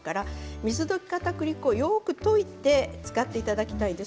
水溶きかたくり粉をよく溶いて使っていただきたいです。